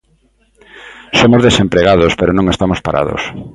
"Somos desempregados, pero non estamos parados".